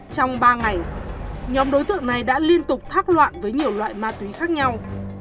trong ba ngày nhóm đối tượng này đã liên tục thác loạn với nhiều loại ma túy khác nhau